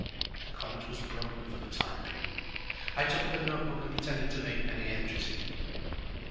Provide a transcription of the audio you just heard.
The current was broken for the time being. I took up a notebook and pretended to make many entries in it.